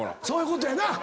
そういうことやな！